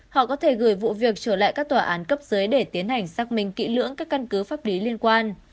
họ có thể gửi vụ việc trở lại các tòa án cấp dưới để tiến hành xác minh kỹ lưỡng các căn cứ pháp lý liên quan